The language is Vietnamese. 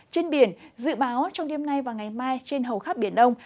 trên biển dự báo trong đêm nay và ngày mai trên hầu khắp biển đông